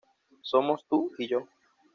Somos tú y yo.